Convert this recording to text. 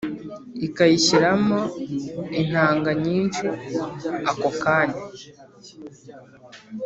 ikayishyiramo intanganyinshi akokanya